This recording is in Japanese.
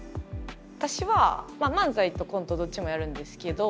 私は漫才とコントどっちもやるんですけど